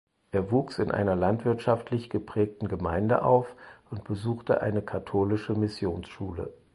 Er wuchs in einer landwirtschaftlich geprägten Gemeinde auf und besuchte eine katholische Missionsschule.